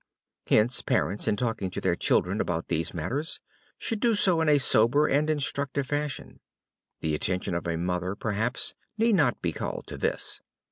Hence, parents, in talking to their children about these matters should do so in a sober and instructive fashion. The attention of a mother, perhaps, need not be called to this.